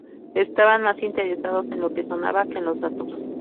Estaban más interesados en lo que sonaba que en los datos!".